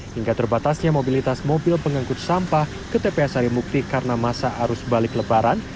hingga terbatasnya mobilitas mobil pengangkut sampah ke tpa sarimukti karena masa arus balik lebaran